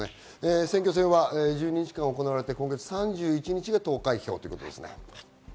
選挙戦は１２日間行われて今月３１日投開票です。